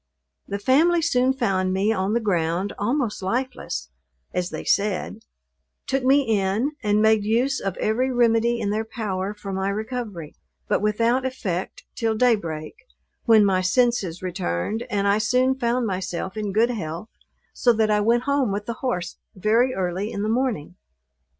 The family soon found me on the ground, almost lifeless, (as they said,) took me in, and made use of every remedy in their power for my recovery, but without effect till day break, when my senses returned, and I soon found myself in good health, so that I went home with the horse very early in the morning.